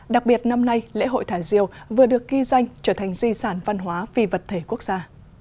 đặc biệt năm nay lễ hội thả diều vừa được ghi danh trở thành di sản văn hóa phi vật thể quốc gia